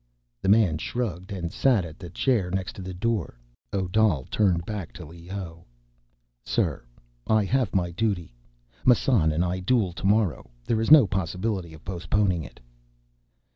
The man shrugged and sat at a chair next to the door. Odal turned back to Leoh. "Sir, I have my duty. Massan and I duel tomorrow. There is no possibility of postponing it."